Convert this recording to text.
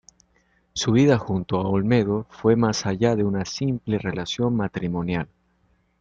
Su vida junto a Olmedo fue más allá de una simple relación matrimonial.